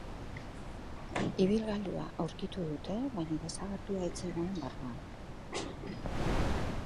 Ibilgailua aurkitu dute, baina desagertua ez zegoen barruan.